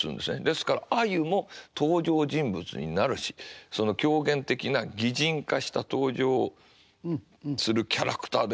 ですから鮎も登場人物になるし狂言的な擬人化した登場するキャラクターですね。